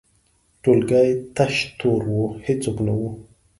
ټولګی تش تور و، هیڅوک نه وو.